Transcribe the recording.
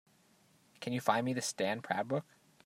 Can you find me the Stand Proud book?